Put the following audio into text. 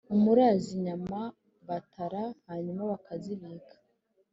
umuraȃnzi: inyama batara hanyuma bakazibika